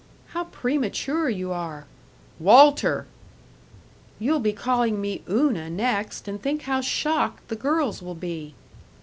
"How premature you are!" "Walter!" "You'll be calling me 'Una' next, and think how shocked the girls will be."